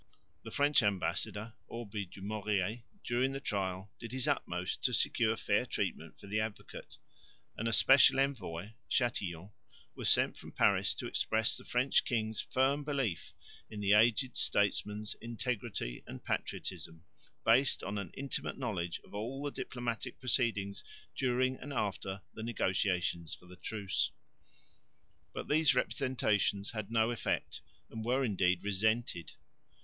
The French ambassador, Aubrey du Maurier, during the trial did his utmost to secure fair treatment for the Advocate; and a special envoy, Châtillon, was sent from Paris to express the French king's firm belief in the aged statesman's integrity and patriotism based on an intimate knowledge of all the diplomatic proceedings during and after the negotiations for the Truce. But these representations had no effect and were indeed resented.